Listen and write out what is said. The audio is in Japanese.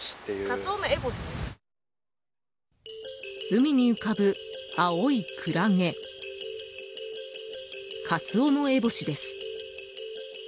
海に浮かぶ青いクラゲカツオノエボシです。